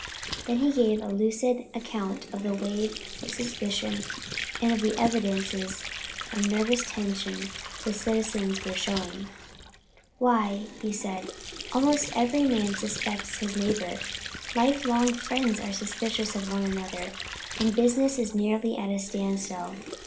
Then he gave a lucid account of the wave of suspicion and of the evidences of nervous tension the citizens were showing. "Why," said he, "almost every man suspects his neighbor. Life long friends are suspicious of one another and business is nearly at a standstill.